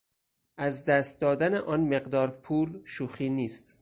از دست دادن آن مقدار پول شوخی نیست!